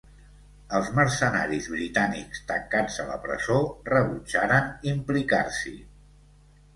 Els mercenaris britànics tancats a la presó rebutjaren implicar-s'hi.